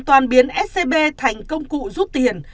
bà trương mỹ lan hoàn toàn biến scb thành công cụ giúp tiền